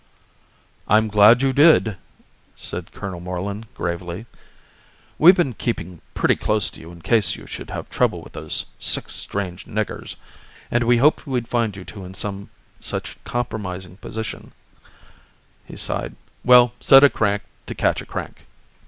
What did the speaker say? "I'm glad you did," said Colonel Moreland gravely. "We've been keeping pretty close to you in case you should have trouble with those six strange niggers. And we hoped we'd find you two in some such compromising position," he sighed. "Well, set a crank to catch a crank!"